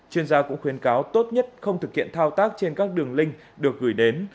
chuyên gia cũng khuyến cáo tốt nhất không thực hiện thao tác trên các đường link được gửi đến